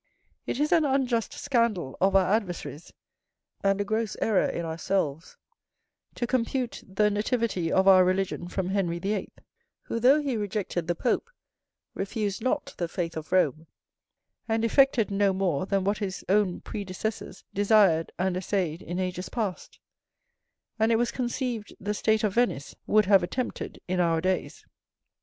It is an unjust scandal of our adversaries, and a gross error in ourselves, to compute the nativity of our religion from Henry the Eighth; who, though he rejected the Pope, refused not the faith of Rome, and effected no more than what his own predecessors desired and essayed in ages past, and it was conceived the state of Venice would have attempted in our days.